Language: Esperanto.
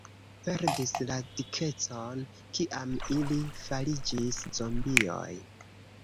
... perdis la dikecon kiam ili fariĝis zombioj.